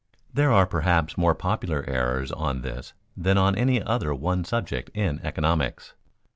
There are perhaps more popular errors on this than on any other one subject in economics.